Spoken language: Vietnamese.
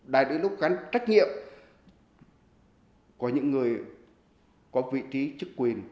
đạt được các trách nhiệm của những người có vị trí chức quyền